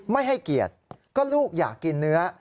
ไม่ให้เกียรติก็ลูกอยากกินเนื้อ